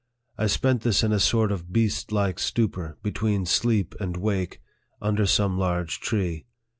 I spent this in a sort of beast like stupor, between sleep and wake, under some large tree.